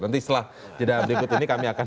nanti setelah di dalam berikut ini kami akan